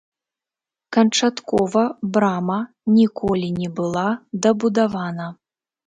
Канчаткова брама ніколі не была дабудавана.